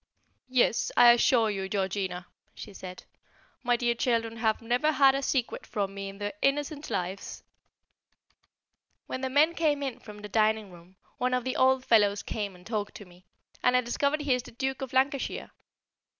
"Yes, I assure you, Georgina," she said, "my dear children have never had a secret from me in their innocent lives." [Sidenote: The Duke's Shirt] When the men came in from the dining room, one of the old fellows came and talked to me, and I discovered he is the Duke of Lancashire.